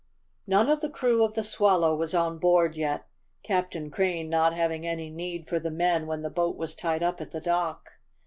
None of the crew of the Swallow was on board yet, Captain Crane not having any need for the men when the boat was tied up at the dock.